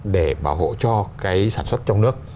để bảo hộ cho cái sản xuất trong nước